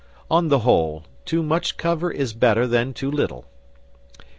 On the whole, too much cover is better than too little.)